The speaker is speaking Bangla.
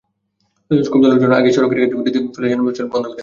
ক্ষুব্ধ লোকজন আগেই সড়কে গাছের গুঁড়ি ফেলে যানবাহন চলাচল বন্ধ করে দেয়।